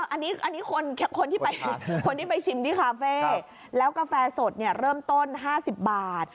อันนี้คนที่ไปชิมที่คาเฟ่แล้วกาแฟสดเริ่มต้น๕๐บาท